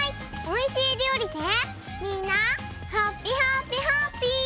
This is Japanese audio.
おいしいりょうりでみんなハピハピハッピー！